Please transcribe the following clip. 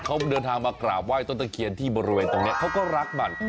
เขาเดินทางมากราบไห้ต้นตะเคียนที่บริเวณตรงนี้เขาก็รักมัน